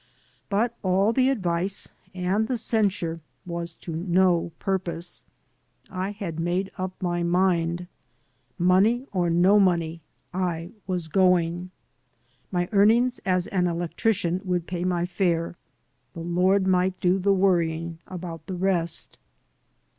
But all the advice and the censure was to no purpose. I had made up my mind. Money or no money, I was going. My earnings as an electrician would pay my fare. The Lord might do the worrying about the rest.